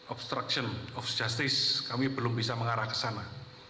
obstruction of justice kami belum bisa mengarah ke sana